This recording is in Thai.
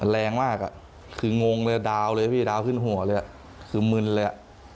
แรงมากอ่ะคืองงเลยดาวเลยพี่ดาวขึ้นหัวเลยคือมึนเลย